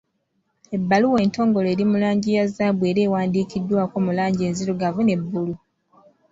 Ebbaluwa entongole eri mu langi ya zzaabu era ewandiikiddwako mu langi enzirugavu ne bbulu.